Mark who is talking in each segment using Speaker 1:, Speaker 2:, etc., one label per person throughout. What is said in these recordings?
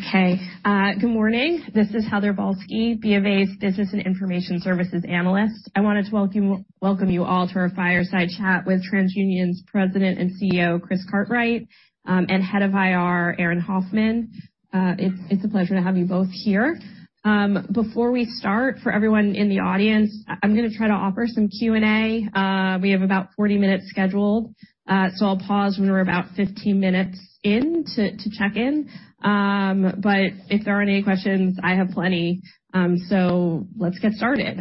Speaker 1: Good morning. This is Heather Balsky, BofA's Business and Information Services analyst. I wanted to welcome you all to our fireside chat with TransUnion's President and CEO, Chris Cartwright, and Head of IR, Aaron Hoffman. It's a pleasure to have you both here. Before we start, for everyone in the audience, I'm gonna try to offer some Q&A. We have about 40 minutes scheduled, so I'll pause when we're about 15 minutes in to check in. If there aren't any questions, I have plenty. Let's get started.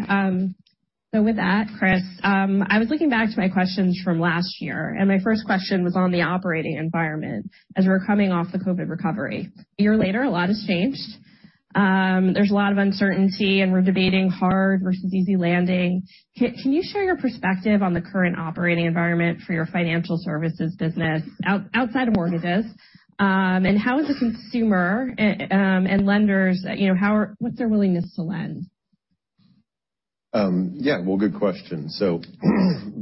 Speaker 1: With that, Chris, I was looking back to my questions from last year, and my first question was on the operating environment as we're coming off the COVID recovery. A year later, a lot has changed. There's a lot of uncertainty, and we're debating hard versus easy landing. Can you share your perspective on the current operating environment for your financial services business outside of mortgages? How is the consumer, and lenders, you know, what's their willingness to lend?
Speaker 2: Yeah, well, good question.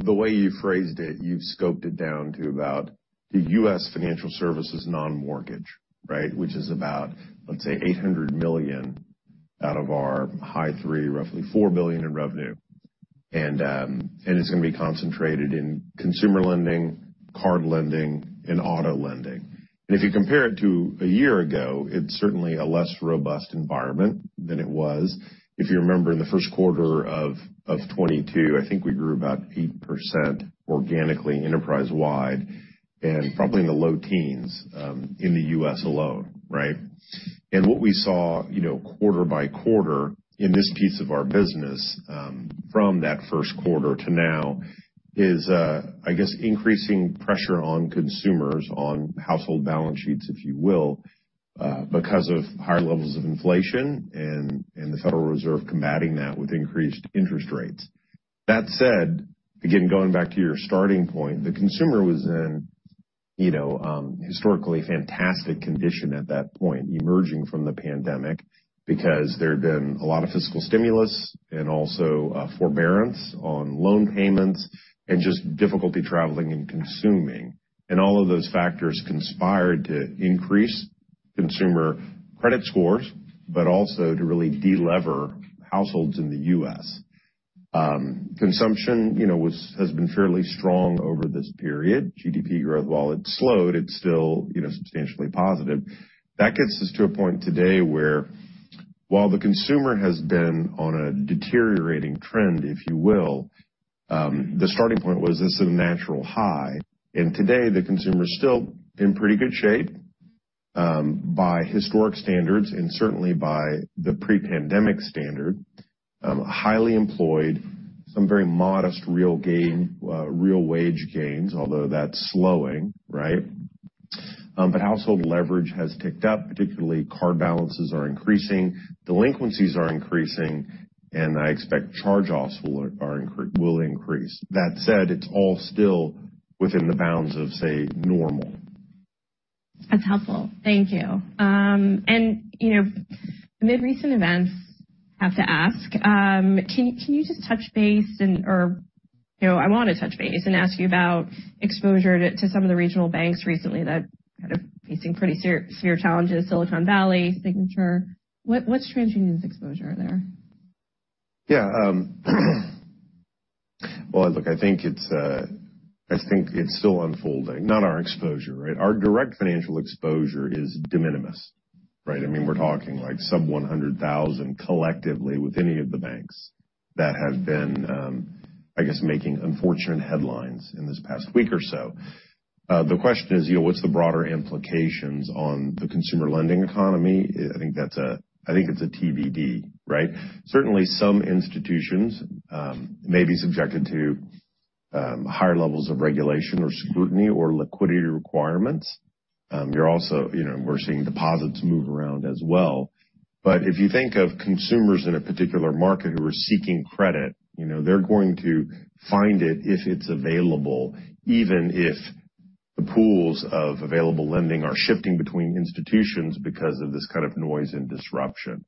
Speaker 2: The way you phrased it, you've scoped it down to about the U.S. financial services non-mortgage, right? Which is about, let's say, $800 million out of our high three, roughly $4 billion in revenue. It's gonna be concentrated in consumer lending, card lending, and auto lending. If you compare it to a year ago, it's certainly a less robust environment than it was. If you remember in the first quarter of 2022, I think we grew about 8% organically enterprise-wide and probably in the low teens in the U.S. alone, right? What we saw, you know, quarter by quarter in this piece of our business, from that first quarter to now is, I guess, increasing pressure on consumers, on household balance sheets, if you will, because of higher levels of inflation and the Federal Reserve combating that with increased interest rates. That said, again, going back to your starting point, the consumer was in, you know, historically fantastic condition at that point, emerging from the pandemic because there had been a lot of fiscal stimulus and also forbearance on loan payments and just difficulty traveling and consuming. All of those factors conspired to increase consumer credit scores, but also to really de-lever households in the U.S. Consumption, you know, has been fairly strong over this period. GDP growth, while it slowed, it's still, you know, substantially positive. That gets us to a point today where while the consumer has been on a deteriorating trend, if you will, the starting point was this is a natural high. Today, the consumer is still in pretty good shape, by historic standards and certainly by the pre-pandemic standard, highly employed, some very modest real gain, real wage gains, although that's slowing, right? Household leverage has ticked up, particularly card balances are increasing, delinquencies are increasing, and I expect charge-offs will increase. That said, it's all still within the bounds of, say, normal.
Speaker 1: That's helpful. Thank you. You know, amid recent events, I have to ask, can you just touch base or, you know, I wanna touch base and ask you about exposure to some of the regional banks recently that are kind of facing pretty severe challenges, Silicon Valley, Signature. What's TransUnion's exposure there?
Speaker 2: Well, look, I think it's, I think it's still unfolding. Not our exposure, right? Our direct financial exposure is de minimis, right? I mean, we're talking like some $100,000 collectively with any of the banks that have been, I guess, making unfortunate headlines in this past week or so. The question is, you know, what's the broader implications on the consumer lending economy? I think that's a TBD, right? Certainly, some institutions may be subjected to higher levels of regulation or scrutiny or liquidity requirements. You're also, you know, we're seeing deposits move around as well. If you think of consumers in a particular market who are seeking credit, you know, they're going to find it if it's available, even if the pools of available lending are shifting between institutions because of this kind of noise and disruption.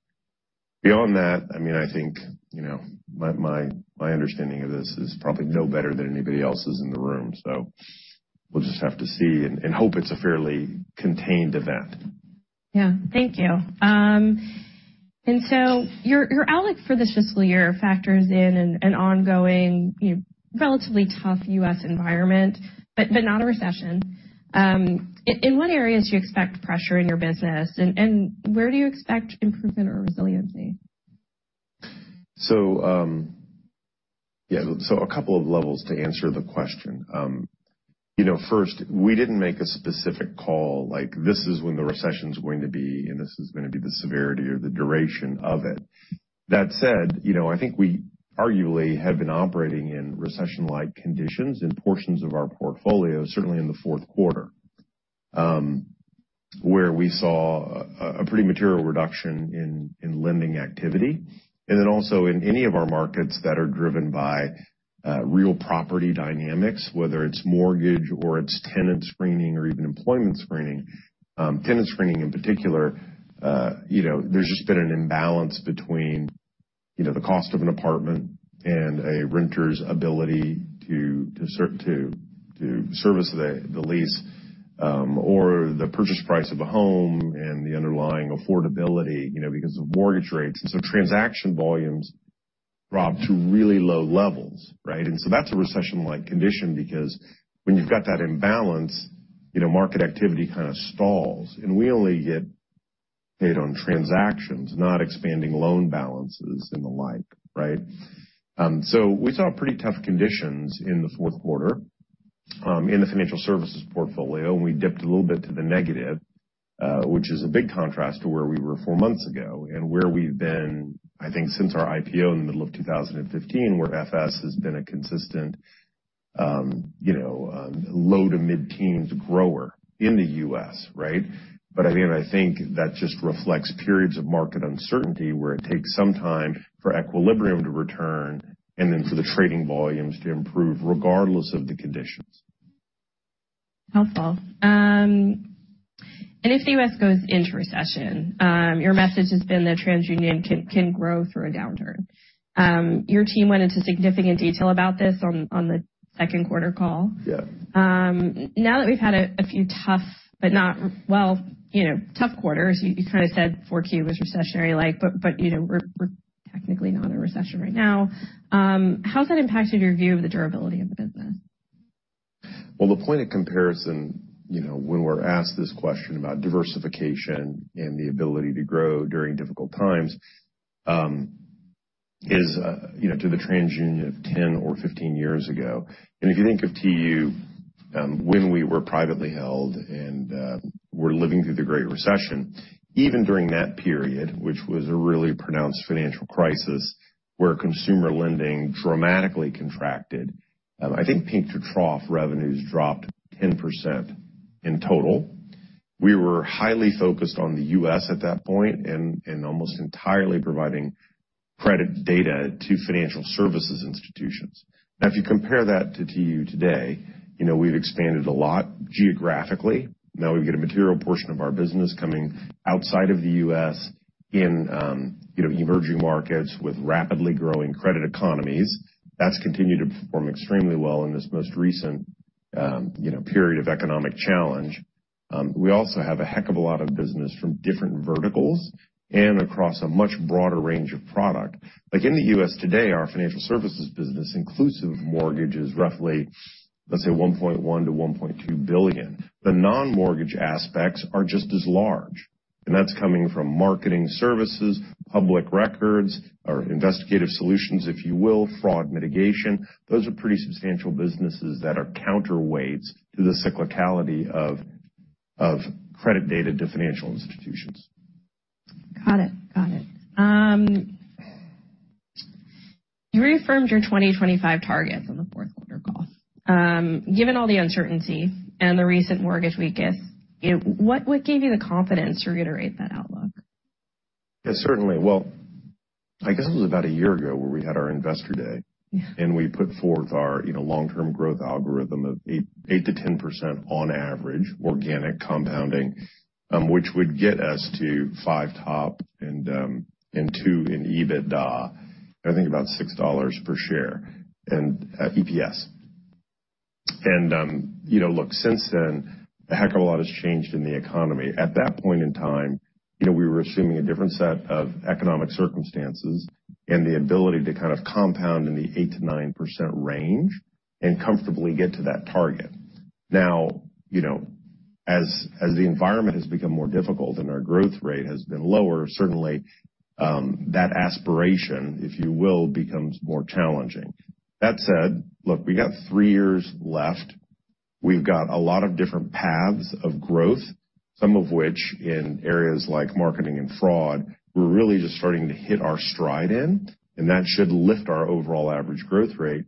Speaker 2: Beyond that, I mean, I think, you know, my understanding of this is probably no better than anybody else's in the room. We'll just have to see and hope it's a fairly contained event.
Speaker 1: Yeah. Thank you. Your outlook for this fiscal year factors in an ongoing, you know, relatively tough U.S. environment, but not a recession. In what areas do you expect pressure in your business, and where do you expect improvement or resiliency?
Speaker 2: Yeah. A couple of levels to answer the question. you know, first, we didn't make a specific call, like this is when the recession's going to be, and this is gonna be the severity or the duration of it. That said, you know, I think we arguably have been operating in recession-like conditions in portions of our portfolio, certainly in the fourth quarter, where we saw a pretty material reduction in lending activity. Also in any of our markets that are driven by real property dynamics, whether it's mortgage or it's tenant screening or even employment screening. tenant screening in particular, you know, there's just been an imbalance between. You know, the cost of an apartment and a renter's ability to service the lease, or the purchase price of a home and the underlying affordability, you know, because of mortgage rates. Transaction volumes drop to really low levels, right? That's a recession-like condition because when you've got that imbalance, you know, market activity kinda stalls. We only get paid on transactions, not expanding loan balances and the like, right? We saw pretty tough conditions in the fourth quarter in the financial services portfolio, and we dipped a little bit to the negative, which is a big contrast to where we were four months ago and where we've been, I think since our IPO in the middle of 2015, where FS has been a consistent, you know, low to mid-teens grower in the U.S. Right? Again, I think that just reflects periods of market uncertainty where it takes some time for equilibrium to return and then for the trading volumes to improve regardless of the conditions.
Speaker 1: Helpful. If the U.S. goes into recession, your message has been that TransUnion can grow through a downturn. Your team went into significant detail about this on the second quarter call.
Speaker 2: Yeah.
Speaker 1: Now that we've had a few tough but not... Well, you know, tough quarters, you kinda said 4Q was recessionary-like, but, you know, we're technically not in a recession right now. How's that impacted your view of the durability of the business?
Speaker 2: Well, the point of comparison, you know, when we're asked this question about diversification and the ability to grow during difficult times, is, you know, to the TransUnion of 10 or 15 years ago. If you think of TU, when we were privately held and were living through the Great Recession, even during that period, which was a really pronounced financial crisis where consumer lending dramatically contracted, I think peak-to-trough revenues dropped 10% in total. We were highly focused on the U.S. at that point and almost entirely providing credit data to financial services institutions. If you compare that to TU today, you know, we've expanded a lot geographically. We get a material portion of our business coming outside of the U.S. in, you know, emerging markets with rapidly growing credit economies. That's continued to perform extremely well in this most recent, you know, period of economic challenge. We also have a heck of a lot of business from different verticals and across a much broader range of product. Like in the U.S. today, our financial services business, inclusive mortgage, is roughly, let's say $1.1 billion-$1.2 billion. The non-mortgage aspects are just as large, and that's coming from marketing services, public records or investigative solutions, if you will, fraud mitigation. Those are pretty substantial businesses that are counterweights to the cyclicality of credit data to financial institutions.
Speaker 1: Got it. You reaffirmed your 2025 targets on the fourth quarter call. Given all the uncertainty and the recent mortgage weakness, what gave you the confidence to reiterate that outlook?
Speaker 2: Yeah, certainly. Well, I guess it was about a year ago where we had our investor day.
Speaker 1: Yeah.
Speaker 2: We put forth our, you know, long-term growth algorithm of 8%-10% on average organic compounding, which would get us to 5% top and 2% in EBITDA, I think about $6 per share and EPS. You know, look, since then, a heck of a lot has changed in the economy. At that point in time, you know, we were assuming a different set of economic circumstances and the ability to kind of compound in the 8%-9% range and comfortably get to that target. You know, as the environment has become more difficult and our growth rate has been lower, certainly, that aspiration, if you will, becomes more challenging. That said, look, we've got three years left. We've got a lot of different paths of growth, some of which in areas like marketing and fraud, we're really just starting to hit our stride in, that should lift our overall average growth rate.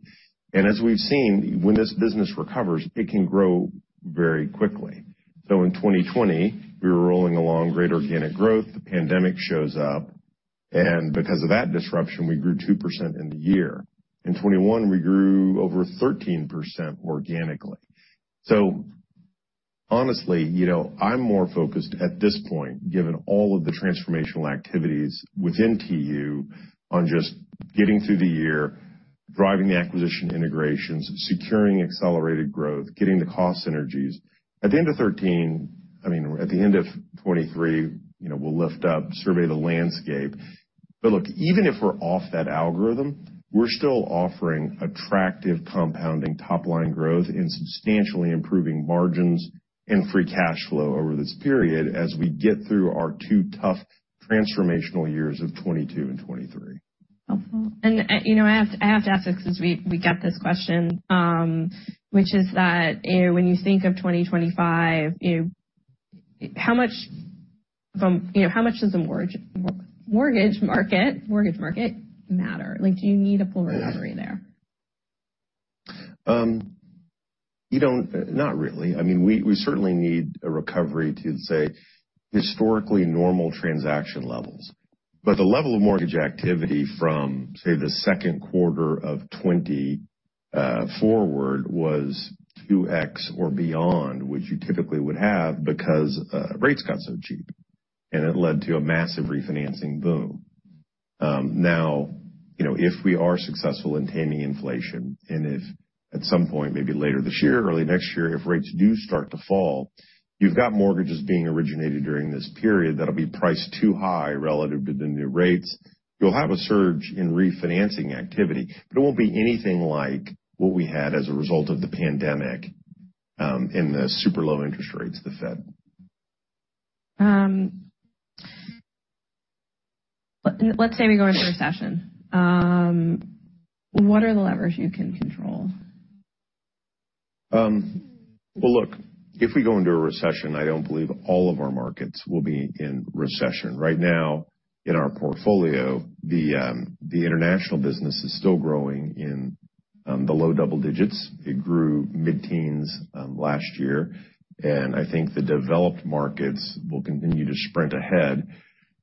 Speaker 2: As we've seen, when this business recovers, it can grow very quickly. In 2020, we were rolling along great organic growth. The pandemic shows up, because of that disruption, we grew 2% in the year. In 2021, we grew over 13% organically. Honestly, you know, I'm more focused at this point, given all of the transformational activities within TU, on just getting through the year, driving the acquisition integrations, securing accelerated growth, getting the cost synergies. At the end of 2023, you know, we'll lift up, survey the landscape. Look, even if we're off that algorithm, we're still offering attractive compounding top-line growth and substantially improving margins and free cash flow over this period as we get through our 2 tough transformational years of 2022 and 2023.
Speaker 1: Helpful. You know, I have to ask this because we get this question, which is that, you know, when you think of 2025, you know, how much does the mortgage market matter? Like, do you need a full recovery there?
Speaker 2: You don't. Not really. I mean, we certainly need a recovery to say historically normal transaction levels. The level of mortgage activity from, say, the second quarter of 20 forward was 2x or beyond which you typically would have because rates got so cheap and it led to a massive refinancing boom. Now, you know, if we are successful in taming inflation and if at some point, maybe later this year, early next year, if rates do start to fall, you've got mortgages being originated during this period that'll be priced too high relative to the new rates. You'll have a surge in refinancing activity, but it won't be anything like what we had as a result of the pandemic, in the super low interest rates of the Fed.
Speaker 1: Let's say we go into a recession. What are the levers you can control?
Speaker 2: Well, look, if we go into a recession, I don't believe all of our markets will be in recession. Right now, in our portfolio, the international business is still growing in the low double digits. It grew mid-teens last year. I think the developed markets will continue to sprint ahead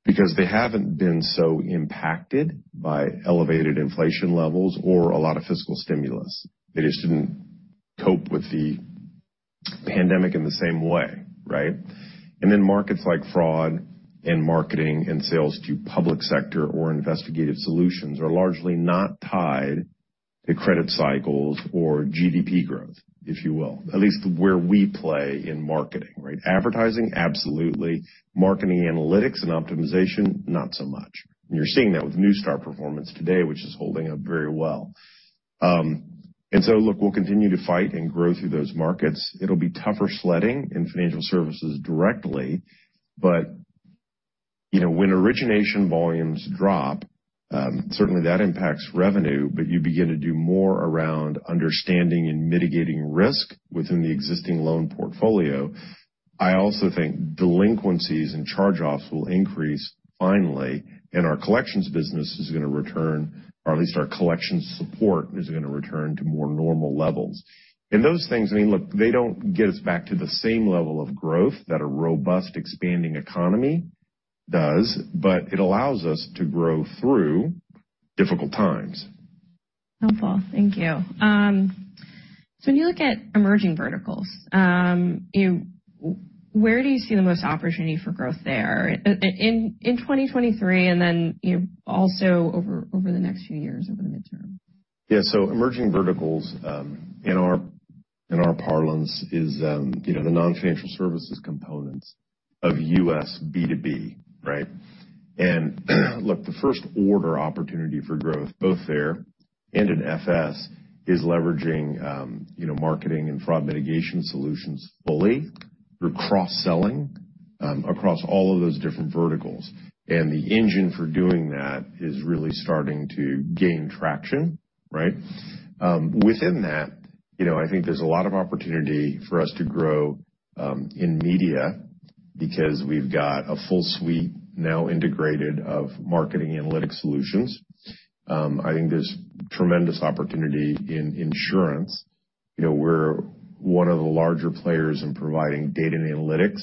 Speaker 2: because they haven't been so impacted by elevated inflation levels or a lot of fiscal stimulus. They just didn't cope with the pandemic in the same way, right? Markets like fraud and marketing and sales to public sector or investigative solutions are largely not tied to credit cycles or GDP growth, if you will, at least where we play in marketing, right? Advertising, absolutely. Marketing, analytics and optimization, not so much. You're seeing that with Neustar performance today, which is holding up very well. Look, we'll continue to fight and grow through those markets. It'll be tougher sledding in financial services directly. You know, when origination volumes drop, certainly that impacts revenue, but you begin to do more around understanding and mitigating risk within the existing loan portfolio. I also think delinquencies and charge-offs will increase finally, and our collections business is gonna return, or at least our collections support is gonna return to more normal levels. Those things, I mean, look, they don't get us back to the same level of growth that a robust expanding economy does, but it allows us to grow through difficult times.
Speaker 1: Helpful. Thank you. When you look at emerging verticals, where do you see the most opportunity for growth there in 2023 and then, you know, also over the next few years over the midterm?
Speaker 2: So emerging verticals, in our, in our parlance is, you know, the non-financial services components of U.S. B2B, right? Look, the first order opportunity for growth both there and in FS is leveraging, you know, marketing and fraud mitigation solutions fully through cross-selling, across all of those different verticals. The engine for doing that is really starting to gain traction, right? Within that, you know, I think there's a lot of opportunity for us to grow, in media because we've got a full suite now integrated of marketing analytics solutions. I think there's tremendous opportunity in insurance. You know, we're one of the larger players in providing data and analytics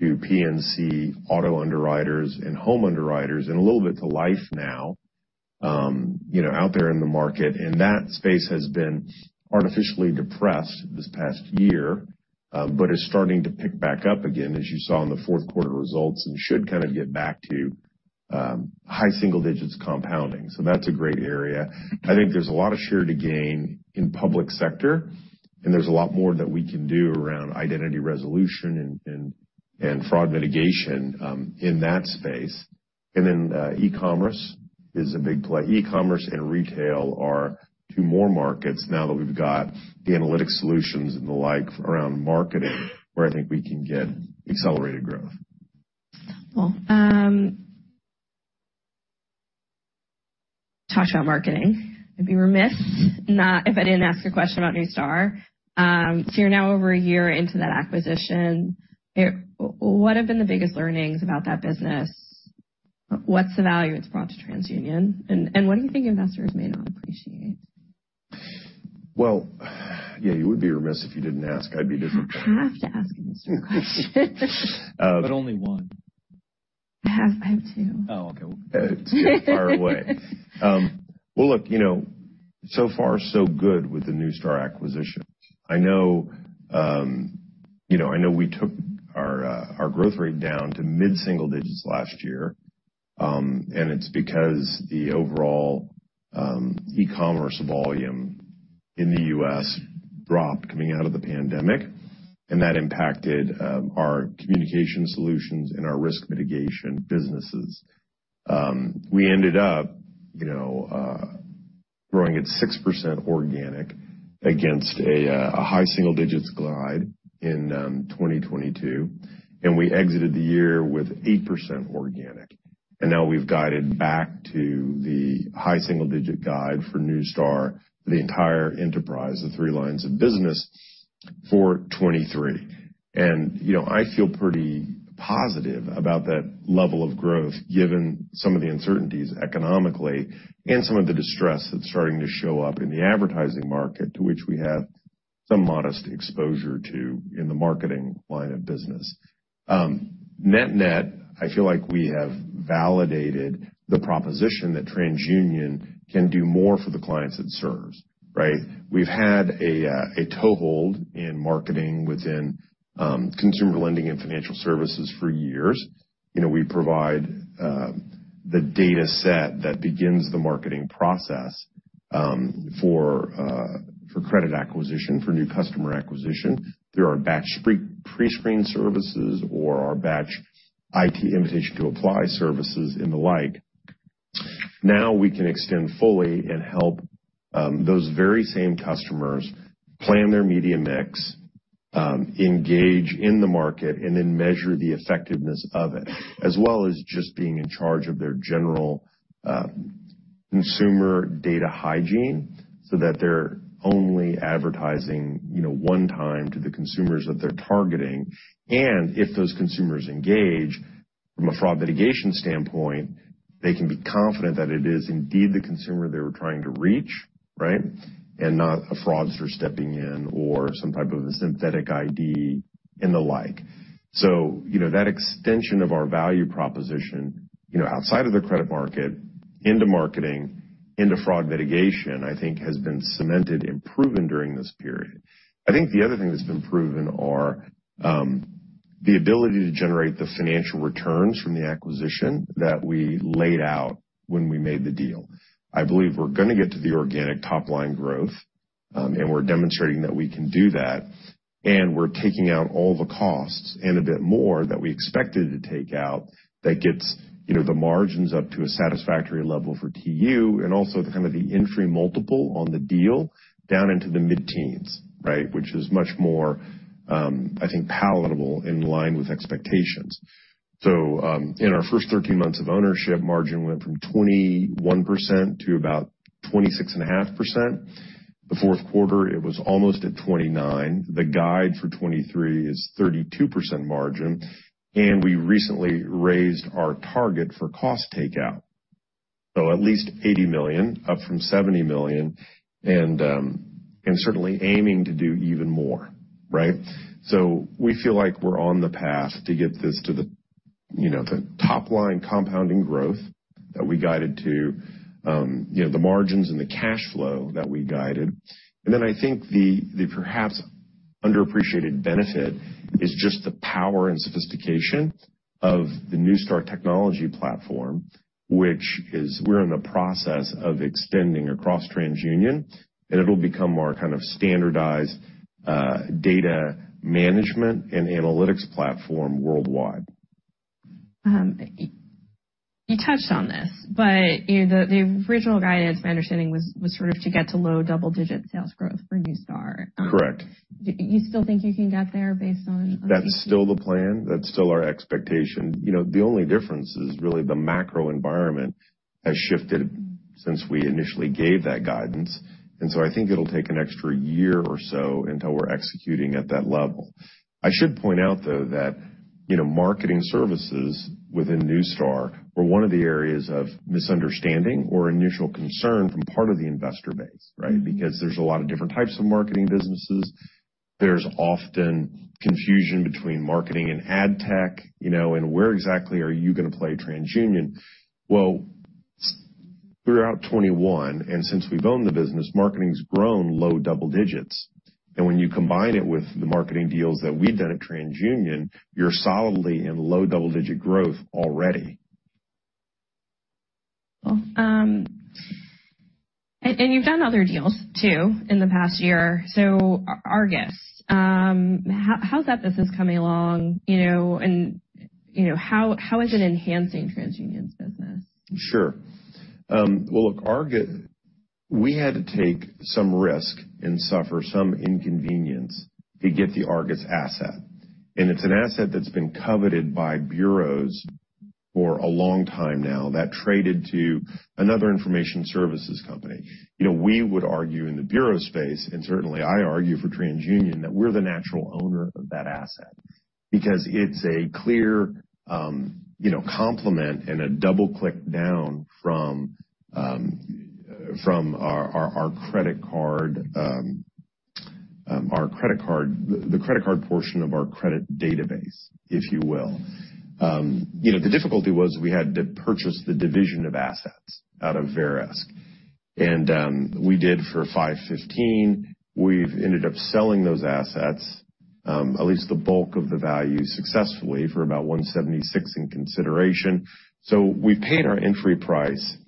Speaker 2: to P&C auto underwriters and home underwriters and a little bit to life now, you know, out there in the market. That space has been artificially depressed this past year, but is starting to pick back up again as you saw in the fourth quarter results and should kind of get back to high single digits compounding. That's a great area. I think there's a lot of share to gain in public sector, and there's a lot more that we can do around identity resolution and fraud mitigation in that space. E-commerce is a big play. E-commerce and retail are two more markets now that we've got the analytics solutions and the like around marketing where I think we can get accelerated growth.
Speaker 1: Talk about marketing. I'd be remiss if I didn't ask a question about Neustar. You're now over a year into that acquisition. What have been the biggest learnings about that business? What's the value it's brought to TransUnion? What do you think investors may not appreciate?
Speaker 2: Well, yeah, you would be remiss if you didn't ask. I'd be disappointed.
Speaker 1: I have to ask a Neustar question.
Speaker 3: Only one.
Speaker 1: I have two.
Speaker 3: Oh, okay. Well...
Speaker 2: Fire away. Well, look, you know, so far so good with the Neustar acquisition. I know, you know, I know we took our growth rate down to mid-single digits last year. It's because the overall e-commerce volume in the U.S. dropped coming out of the pandemic, and that impacted our communication solutions and our risk mitigation businesses. We ended up, you know, growing at 6% organic against a high single digits guide in 2022, and we exited the year with 8% organic. Now we've guided back to the high single digit guide for Neustar, the entire enterprise, the three lines of business for 2023. You know, I feel pretty positive about that level of growth given some of the uncertainties economically and some of the distress that's starting to show up in the advertising market to which we have some modest exposure to in the marketing line of business. Net-net, I feel like we have validated the proposition that TransUnion can do more for the clients it serves, right? We've had a toehold in marketing within consumer lending and financial services for years. You know, we provide the data set that begins the marketing process for credit acquisition, for new customer acquisition through our Batch Prescreen services or our Batch Invitation to Apply services and the like. Now we can extend fully and help those very same customers plan their media mix, engage in the market and then measure the effectiveness of it, as well as just being in charge of their general consumer data hygiene so that they're only advertising, you know, one time to the consumers that they're targeting. If those consumers engage from a fraud mitigation standpoint, they can be confident that it is indeed the consumer they were trying to reach, right? And not a fraudster stepping in or some type of a synthetic ID and the like. You know, that extension of our value proposition, you know, outside of the credit market into marketing, into fraud mitigation, I think has been cemented and proven during this period. I think the other thing that's been proven are the ability to generate the financial returns from the acquisition that we laid out when we made the deal. I believe we're gonna get to the organic top-line growth, and we're demonstrating that we can do that, and we're taking out all the costs and a bit more that we expected to take out that gets, you know, the margins up to a satisfactory level for TU and also kind of the entry multiple on the deal down into the mid-teens, right? Which is much more, I think, palatable in line with expectations. In our first 13 months of ownership, margin went from 21% to about 26.5%. The fourth quarter, it was almost at 29%. The guide for 2023 is 32% margin. We recently raised our target for cost takeout. At least $80 million, up from $70 million, and certainly aiming to do even more, right? We feel like we're on the path to get this to the, you know, the top-line compounding growth that we guided to, you know, the margins and the cash flow that we guided. I think the perhaps underappreciated benefit is just the power and sophistication of the Neustar technology platform, which is we're in the process of extending across TransUnion, and it'll become our kind of standardized data management and analytics platform worldwide.
Speaker 1: You touched on this, but, you know, the original guidance, my understanding was sort of to get to low double-digit sales growth for Neustar.
Speaker 2: Correct.
Speaker 1: Do you still think you can get there based on-?
Speaker 2: That's still the plan. That's still our expectation. You know, the only difference is really the macro environment has shifted since we initially gave that guidance. I think it'll take an extra year or so until we're executing at that level. I should point out, though, that, you know, marketing services within Neustar were one of the areas of misunderstanding or initial concern from part of the investor base, right? There's a lot of different types of marketing businesses. There's often confusion between marketing and ad tech, you know, and where exactly are you gonna play TransUnion? Well, throughout 21, and since we've owned the business, marketing's grown low double digits. When you combine it with the marketing deals that we've done at TransUnion, you're solidly in low double-digit growth already.
Speaker 1: You've done other deals too in the past year. Argus, how's that business coming along? You know, you know, how is it enhancing TransUnion's business?
Speaker 2: Sure. Well, look, Argus. We had to take some risk and suffer some inconvenience to get the Argus asset. It's an asset that's been coveted by bureaus for a long time now that traded to another information services company. You know, we would argue in the bureau space, and certainly I argue for TransUnion, that we're the natural owner of that asset because it's a clear, you know, complement and a double-click down from our credit card, the credit card portion of our credit database, if you will. You know, the difficulty was we had to purchase the division of assets out of Verisk. We did for $515. We've ended up selling those assets, at least the bulk of the value successfully for about $176 in consideration. We paid our entry price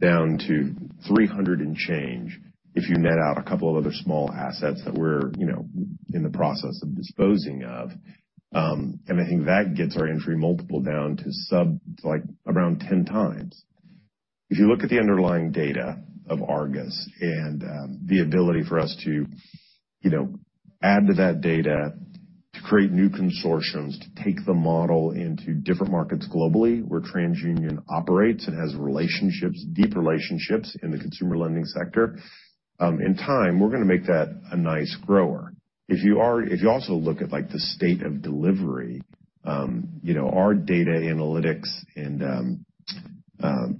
Speaker 2: down to $300 and change if you net out a couple of other small assets that we're, you know, in the process of disposing of. I think that gets our entry multiple down to sub, like, around 10x. If you look at the underlying data of Argus and the ability for us to, you know, add to that data, to create new consortiums, to take the model into different markets globally, where TransUnion operates and has relationships, deep relationships in the consumer lending sector, in time, we're gonna make that a nice grower. If you also look at, like, the state of delivery, you know, our data analytics and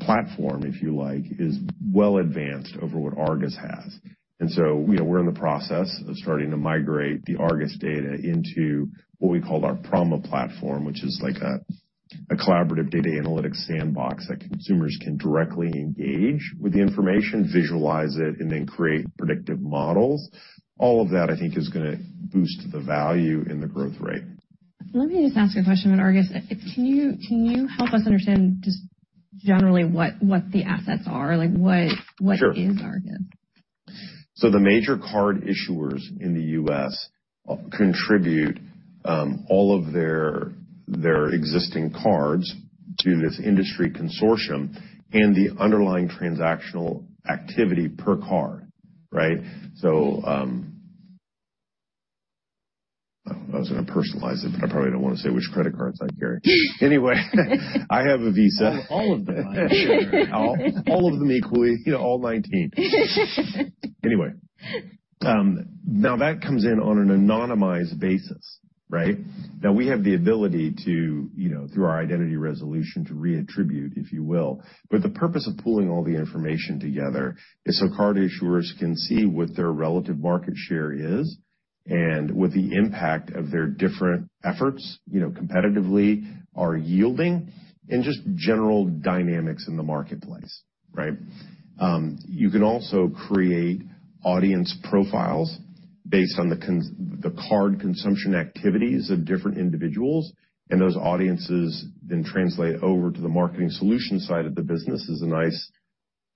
Speaker 2: platform, if you like, is well advanced over what Argus has. You know, we're in the process of starting to migrate the Argus data into what we call our Prama platform, which is like a collaborative data analytics sandbox that consumers can directly engage with the information, visualize it, and then create predictive models. All of that, I think, is gonna boost the value and the growth rate.
Speaker 1: Let me just ask you a question about Argus. Can you help us understand just generally what the assets are? Like, what.
Speaker 2: Sure.
Speaker 1: What is Argus?
Speaker 2: The major card issuers in the U.S. contribute all of their existing cards to this industry consortium and the underlying transactional activity per card, right? I was gonna personalize it, but I probably don't wanna say which credit cards I carry. Anyway, I have a Visa.
Speaker 3: All of them.
Speaker 2: All of them equally. You know, all 19. That comes in on an anonymized basis, right? We have the ability to, you know, through our identity resolution, to reattribute, if you will. The purpose of pulling all the information together is so card issuers can see what their relative market share is and what the impact of their different efforts, you know, competitively are yielding and just general dynamics in the marketplace, right? You can also create audience profiles based on the card consumption activities of different individuals, those audiences then translate over to the marketing solution side of the business as a nice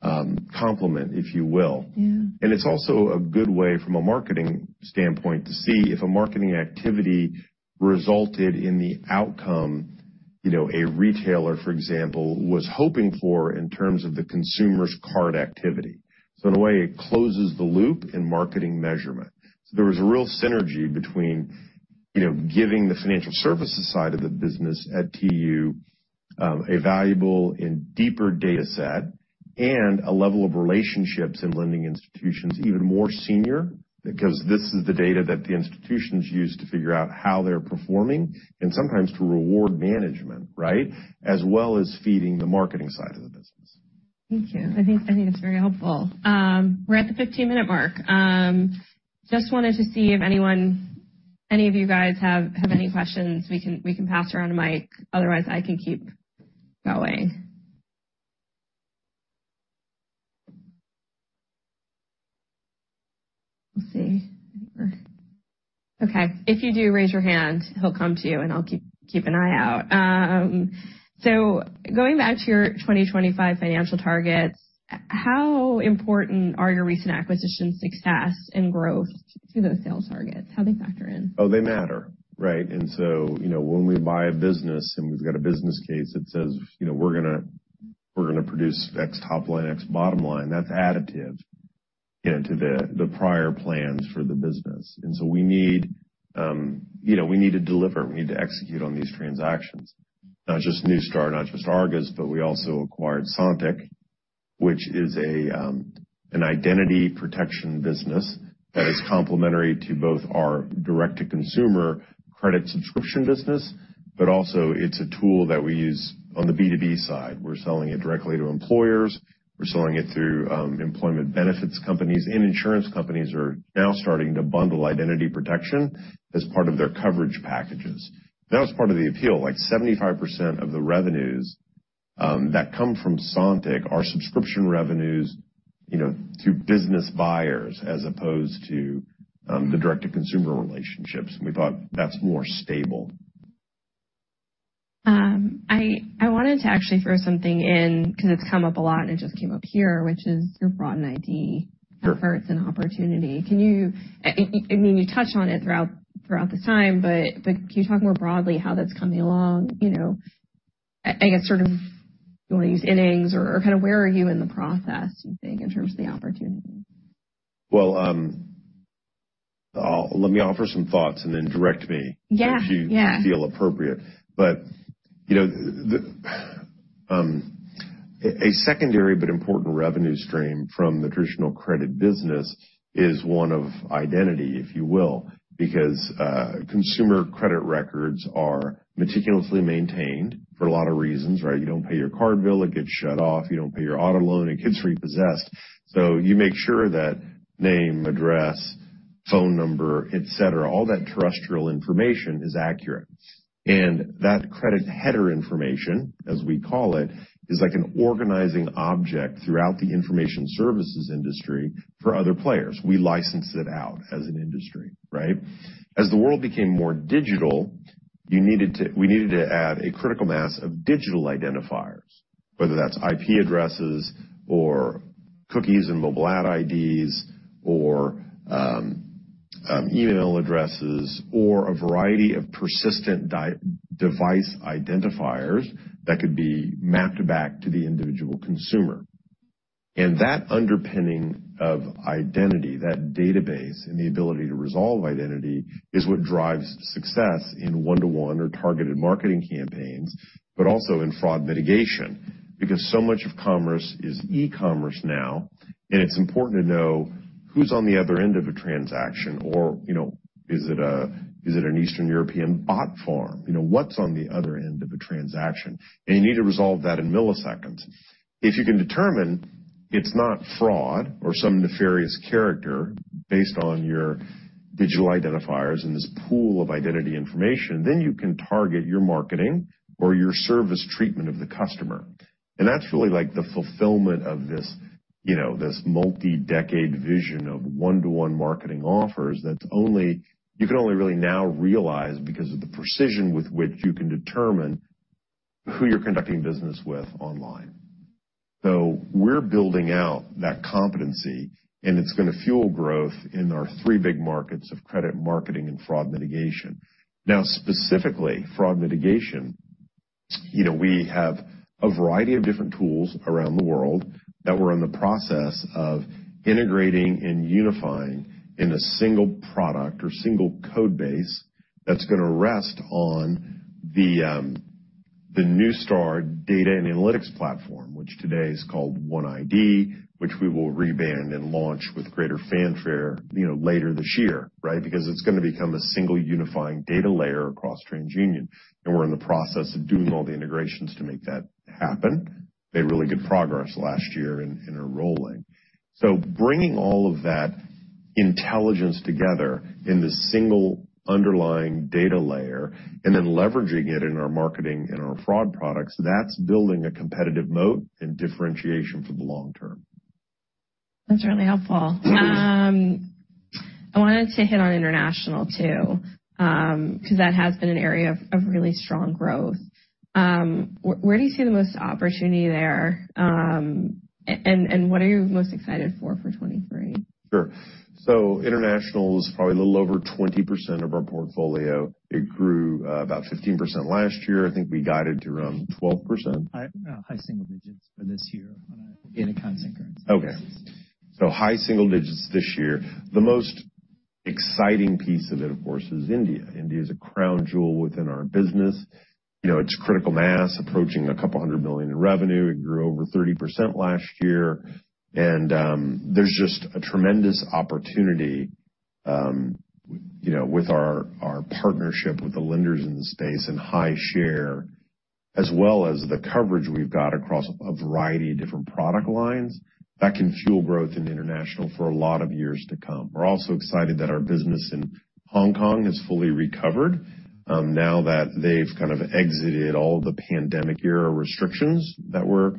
Speaker 2: complement, if you will.
Speaker 1: Mm-hmm.
Speaker 2: It's also a good way from a marketing standpoint to see if a marketing activity resulted in the outcome, you know, a retailer, for example, was hoping for in terms of the consumer's card activity. In a way, it closes the loop in marketing measurement. There was a real synergy between, you know, giving the financial services side of the business at TU, a valuable and deeper dataset and a level of relationships in lending institutions even more senior, because this is the data that the institutions use to figure out how they're performing and sometimes to reward management, right? As well as feeding the marketing side of the business.
Speaker 1: Thank you. I think it's very helpful. We're at the 15-minute mark. Just wanted to see if any of you guys have any questions, we can pass around a mic. Otherwise, I can keep going. Let's see. Okay, if you do raise your hand, he'll come to you, and I'll keep an eye out. Going back to your 2025 financial targets, how important are your recent acquisitions success and growth to those sales targets? How they factor in?
Speaker 2: Oh, they matter, right? You know, when we buy a business and we've got a business case that says, you know, we're gonna produce X top line, X bottom line, that's additive, you know, to the prior plans for the business. We need, you know, we need to deliver, we need to execute on these transactions. Not just Neustar, not just Argus, but we also acquired Sontiq, which is an identity protection business that is complementary to both our direct-to-consumer credit subscription business. Also it's a tool that we use on the B2B side. We're selling it directly to employers, we're selling it through, employment benefits companies and insurance companies are now starting to bundle identity protection as part of their coverage packages. That was part of the appeal. 75% of the revenues that come from Sontiq are subscription revenues, you know, through business buyers as opposed to the direct-to-consumer relationships. We thought that's more stable.
Speaker 1: I wanted to actually throw something in 'cause it's come up a lot, and it just came up here, which is your broaden ID.
Speaker 2: Sure.
Speaker 1: efforts and opportunity. I mean, you touched on it throughout the time, but can you talk more broadly how that's coming along? You know, I guess sort of you wanna use innings or kinda where are you in the process, you think, in terms of the opportunity?
Speaker 2: Well, let me offer some thoughts and then direct me-.
Speaker 1: Yeah, yeah.
Speaker 2: If you feel appropriate. You know, the, a secondary but important revenue stream from the traditional credit business is one of identity, if you will, because consumer credit records are meticulously maintained for a lot of reasons, right? You don't pay your card bill, it gets shut off. You don't pay your auto loan, it gets repossessed. You make sure that name, address, phone number, et cetera, all that terrestrial information is accurate. That credit header information, as we call it, is like an organizing object throughout the information services industry for other players. We license it out as an industry, right? As the world became more digital, we needed to add a critical mass of digital identifiers, whether that's IP addresses or cookies and mobile ad IDs or email addresses or a variety of persistent device identifiers that could be mapped back to the individual consumer. That underpinning of identity, that database, and the ability to resolve identity is what drives success in one-to-one or targeted marketing campaigns, but also in fraud mitigation, because so much of commerce is e-commerce now, and it's important to know who's on the other end of a transaction or, you know, is it an Eastern European bot farm? You know, what's on the other end of a transaction? You need to resolve that in milliseconds. If you can determine it's not fraud or some nefarious character based on your digital identifiers in this pool of identity information, then you can target your marketing or your service treatment of the customer. That's really like the fulfillment of this, you know, this multi-decade vision of one-to-one marketing offers that only you can only really now realize because of the precision with which you can determine who you're conducting business with online. We're building out that competency, and it's gonna fuel growth in our three big markets of credit, marketing, and fraud mitigation. Specifically, fraud mitigation, you know, we have a variety of different tools around the world that we're in the process of integrating and unifying in a single product or single code base that's gonna rest on the Neustar data and analytics platform. Which today is called OneID, which we will rebrand and launch with greater fanfare, you know, later this year, right? It's gonna become a single unifying data layer across TransUnion, and we're in the process of doing all the integrations to make that happen. Made really good progress last year in enrolling. Bringing all of that intelligence together in this single underlying data layer and then leveraging it in our marketing and our fraud products, that's building a competitive moat and differentiation for the long term.
Speaker 1: That's really helpful. I wanted to hit on international too, 'cause that has been an area of really strong growth. Where do you see the most opportunity there, and what are you most excited for 23?
Speaker 2: Sure. International is probably a little over 20% of our portfolio. It grew about 15% last year. I think we guided to around 12%.
Speaker 3: High, high single digits for this year on a data consent current.
Speaker 2: High single digits this year. The most exciting piece of it, of course, is India. India is a crown jewel within our business. You know, it's critical mass, approaching $200 million in revenue. It grew over 30% last year. There's just a tremendous opportunity, you know, with our partnership with the lenders in the space and high share, as well as the coverage we've got across a variety of different product lines that can fuel growth in international for a lot of years to come. We're also excited that our business in Hong Kong has fully recovered, now that they've kind of exited all the pandemic era restrictions that were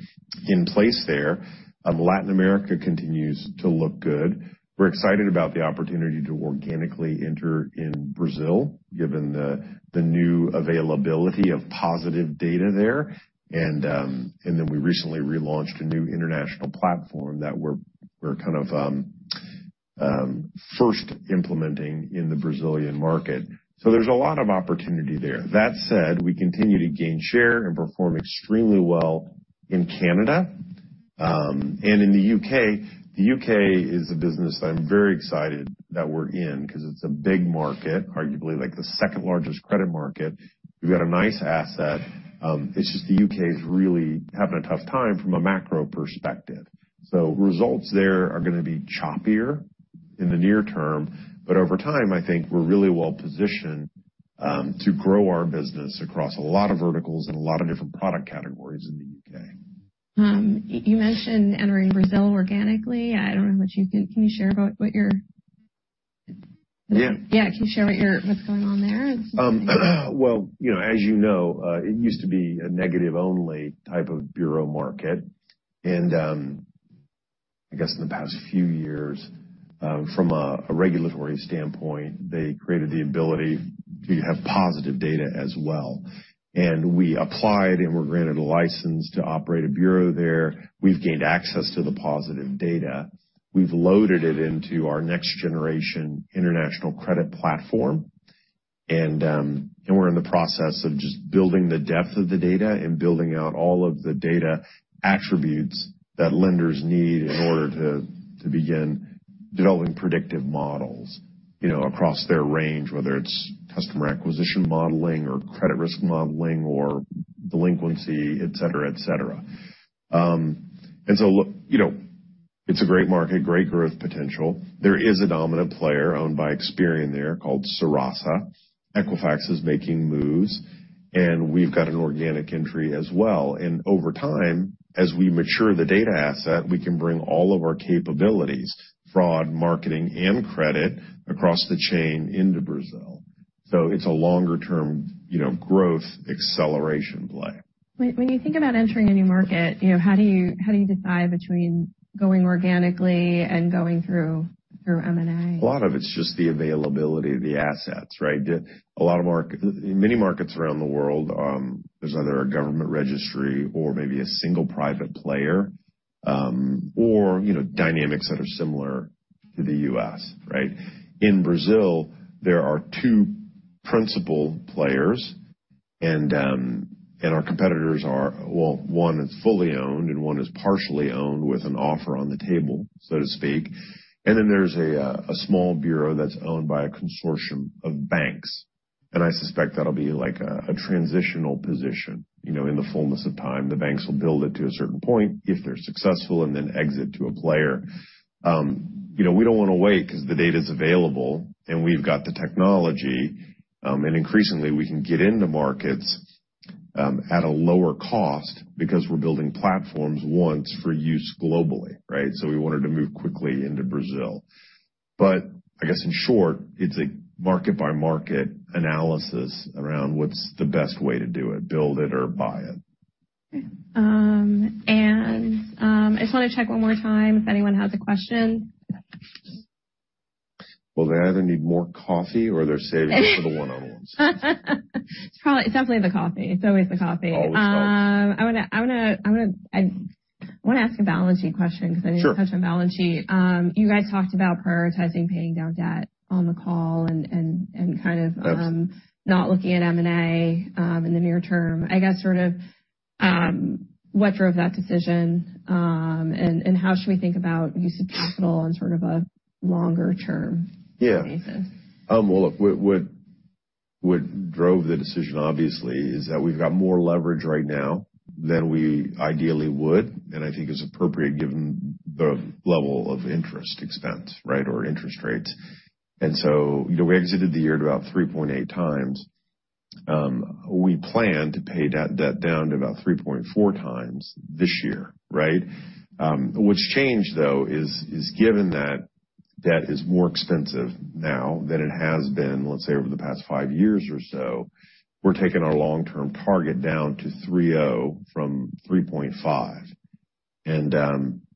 Speaker 2: in place there. Latin America continues to look good. We're excited about the opportunity to organically enter in Brazil, given the new availability of positive data there. We recently relaunched a new international platform that we're kind of first implementing in the Brazilian market. There's a lot of opportunity there. That said, we continue to gain share and perform extremely well in Canada and in the U.K. The U.K. is a business that I'm very excited that we're in 'cause it's a big market, arguably like the second-largest credit market. We've got a nice asset. It's just the U.K. is really having a tough time from a macro perspective. Results there are gonna be choppier in the near term, but over time, I think we're really well positioned to grow our business across a lot of verticals and a lot of different product categories in the U.K.
Speaker 1: You mentioned entering Brazil organically. I don't know what you think. Can you share about what your...
Speaker 2: Yeah.
Speaker 1: Yeah. Can you share what's going on there?
Speaker 2: Well, you know, as you know, it used to be a negative only type of bureau market. I guess in the past few years, from a regulatory standpoint, they created the ability to have positive data as well. We applied and were granted a license to operate a bureau there. We've gained access to the positive data. We've loaded it into our next generation international credit platform, and we're in the process of just building the depth of the data and building out all of the data attributes that lenders need in order to begin developing predictive models, you know, across their range, whether it's customer acquisition modeling or credit risk modeling or delinquency, et cetera, et cetera. So, look, you know, it's a great market, great growth potential. There is a dominant player owned by Experian there called Serasa. Equifax is making moves, and we've got an organic entry as well. Over time, as we mature the data asset, we can bring all of our capabilities, fraud, marketing, and credit across the chain into Brazil. It's a longer-term, you know, growth acceleration play.
Speaker 1: When you think about entering a new market, you know, how do you decide between going organically and going through M&A?
Speaker 2: A lot of it's just the availability of the assets, right? In many markets around the world, there's either a government registry or maybe a single private player, or, you know, dynamics that are similar to the U.S., right? In Brazil, there are two principal players, and our competitors are... Well, one is fully owned and one is partially owned with an offer on the table, so to speak. Then there's a small bureau that's owned by a consortium of banks. I suspect that'll be like a transitional position, you know, in the fullness of time. The banks will build it to a certain point if they're successful and then exit to a player. you know, we don't wanna wait 'cause the data is available and we've got the technology, and increasingly we can get into markets at a lower cost because we're building platforms once for use globally, right? We wanted to move quickly into Brazil. I guess in short, it's a market by market analysis around what's the best way to do it, build it or buy it.
Speaker 1: I just wanna check one more time if anyone has a question?
Speaker 2: Well, they either need more coffee or they're saving it for the one-on-ones.
Speaker 1: It's definitely the coffee. It's always the coffee.
Speaker 2: Always helps.
Speaker 1: I wanna ask a balance sheet question.
Speaker 2: Sure.
Speaker 1: because I know you touched on balance sheet. You guys talked about prioritizing paying down debt on the call and kind of.
Speaker 2: Yes.
Speaker 1: not looking at M&A, in the near term. I guess sort of, what drove that decision, and how should we think about use of capital on sort of a longer term?
Speaker 2: Yeah.
Speaker 1: -basis?
Speaker 2: Well, look, what drove the decision obviously is that we've got more leverage right now than we ideally would, and I think is appropriate given the level of interest expense, right, or interest rates. You know, we exited the year at about 3.8 times. We plan to pay down debt down to about 3.4 times this year, right? What's changed though is given that debt is more expensive now than it has been, let's say, over the past five years or so, we're taking our long-term target down to 3.0 from 3.5.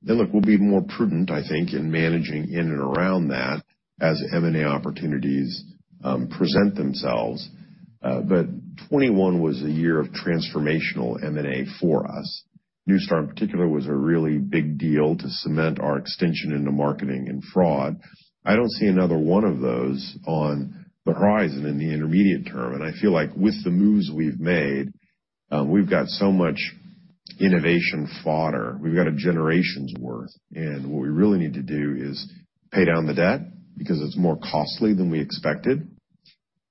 Speaker 2: Look, we'll be more prudent, I think, in managing in and around that as M&A opportunities present themselves. 2021 was a year of transformational M&A for us. Neustar in particular was a really big deal to cement our extension into marketing and fraud. I don't see another one of those on the horizon in the intermediate term. I feel like with the moves we've made, we've got so much innovation fodder. We've got a generation's worth, and what we really need to do is pay down the debt because it's more costly than we expected,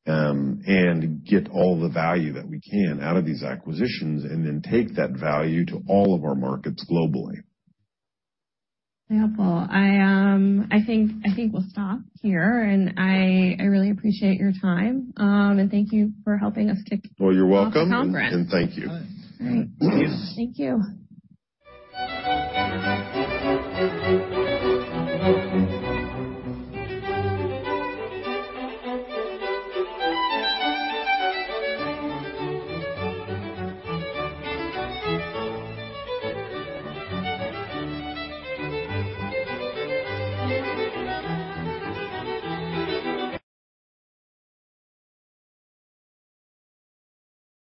Speaker 2: and get all the value that we can out of these acquisitions, and then take that value to all of our markets globally.
Speaker 1: Yeah. Well, I think we'll stop here, and I really appreciate your time. Thank you for helping us kick-
Speaker 2: Well, you're welcome.
Speaker 1: -off the conference.
Speaker 2: thank you.
Speaker 1: All right. Thank you.